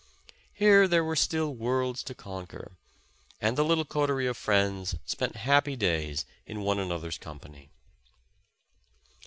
Here there were still worlds to conquer, and the little coterie of friends spent happy days in one an other's company.